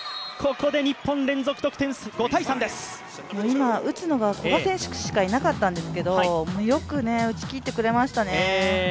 今、打つのが古賀選手しかいなかったんですけどよく打ち切ってくれましたね。